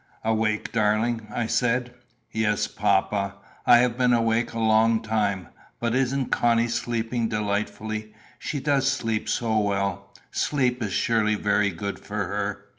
"Awake, darling?" I said. "Yes, papa. I have been awake a long time; but isn't Connie sleeping delightfully? She does sleep so well! Sleep is surely very good for her."